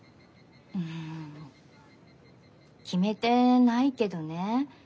うん決めてないけどね。